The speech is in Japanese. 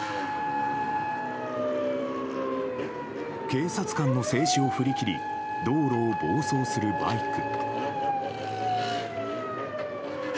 警察官の制止を振り切り道路を暴走するバイク。